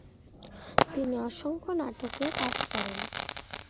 তিনি অসংখ্য নাটকে কাজ করেন।